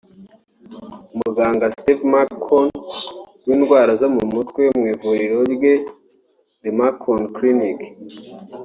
Muganga Steve McKeown w’indwara zo mu mutwe mu ivuriro rye The McKeown Clinic